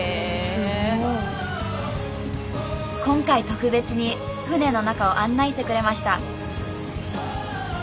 すごい。今回特別に船の中を案内してくれました